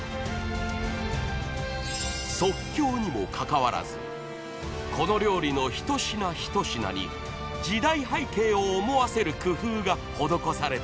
［即興にもかかわらずこの料理の１品１品に時代背景を思わせる工夫が施されているという］